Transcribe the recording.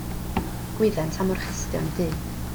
Gwyddent am orchestion y dyn.